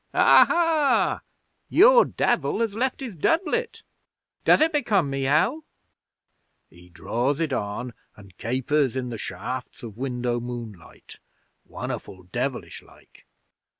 '"Aha! Your Devil has left his doublet! Does it become me, Hal?" He draws it on and capers in the shafts of window moonlight won'erful devilish like.